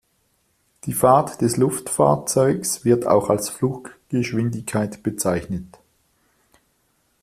Die Fahrt des Luftfahrzeugs wird auch als Fluggeschwindigkeit bezeichnet.